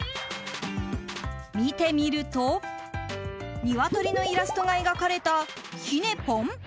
見てみるとニワトリのイラストが描かれたひねポン？